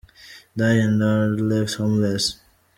die and , are left homeless.